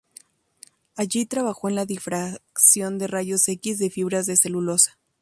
Allí trabajó en la difracción de rayos X de fibras de celulosa.